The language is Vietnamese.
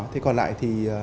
thế còn lại thì